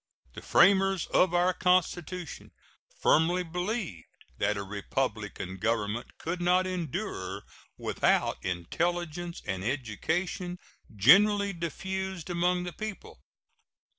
The framers of our Constitution firmly believed that a republican government could not endure without intelligence and education generally diffused among the people.